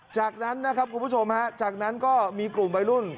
จากนั้นนะครับคุณผู้ชมฮะจากนั้นก็มีกลุ่มวัยรุ่น